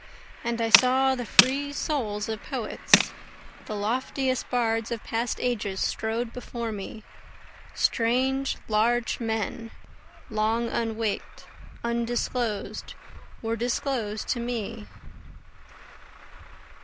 And I saw the free souls of poets, The loftiest bards of past ages strode before me, Strange large men, long unwaked, undisclosed, were disclosed to me.